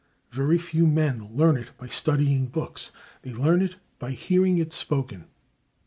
Very few men learn it by studying books; they learn it by hearing it spoken.